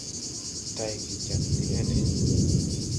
Tayge jag de ele.